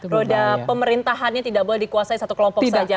roda pemerintahannya tidak boleh dikuasai satu kelompok saja